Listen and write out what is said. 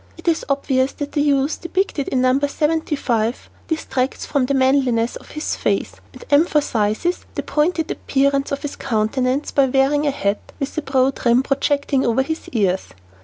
It is obvious that the youth depicted in No. 75 detracts from the manliness of his face and emphasizes the pointed appearance of his countenance by wearing a hat with a broad brim projecting over his ears.